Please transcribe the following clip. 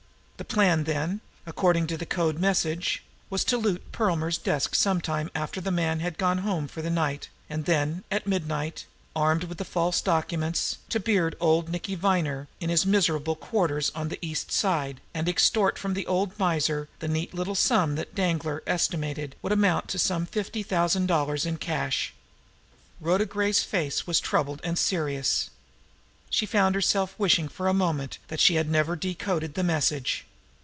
The plan then, according to the code message, was to loot Perlmer's desk some time after the man had gone home for the night, and then, at midnight, armed with the false documents, to beard old Nicky Viner in his miserable quarters over on the East Side, and extort from the old miser the neat little sum that Danglar estimated would amount to some fifty thousand dollars in cash. Rhoda Gray's face was troubled and serious. She found herself wishing for a moment that she had never decoded the message.